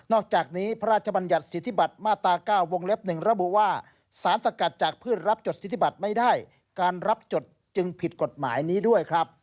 อกจากนี้พระราชบัญญัติสิทธิบัตรมาตรา๙วงเล็บ๑ระบุว่าสารสกัดจากพืชรับจดสิทธิบัติไม่ได้การรับจดจึงผิดกฎหมายนี้ด้วยครับ